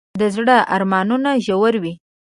د زړه ارمانونه ژور وي.